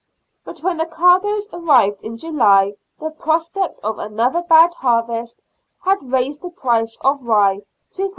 But when the cargoes arrived in July the prospect of another bad harvest had raised the price of rye to 44s.